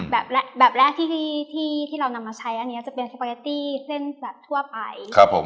แบบแรกที่ที่ที่เรานำมาใช้อันนี้จะเป็นสปาเกตตี้เส้นแบบทั่วไปครับผม